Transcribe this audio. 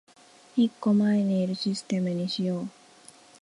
一個前にいるシステムにしよう